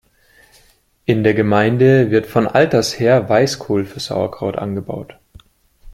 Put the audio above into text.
In der Gemeinde wird von alters her Weißkohl für Sauerkraut angebaut.